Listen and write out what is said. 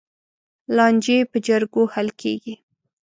لانجې په جرګو حل کېږي.